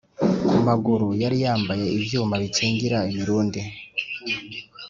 Ku maguru yari yambaye ibyuma bikingira imirundi